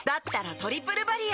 「トリプルバリア」